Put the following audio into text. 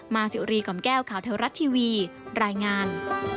สิวรีกล่อมแก้วข่าวเทวรัฐทีวีรายงาน